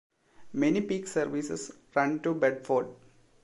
Many peak services run to Bedford.